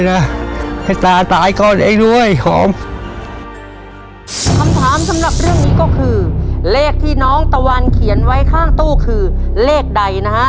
เลขที่น้องตะวัลเขียนไว้ข้างตู้คือเลขใดนะฮะ